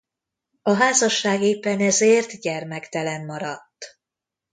A házasság éppen ezért gyermektelen maradt.